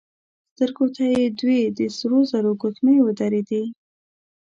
سترګو ته يې دوې د سرو زرو ګوتمۍ ودرېدې.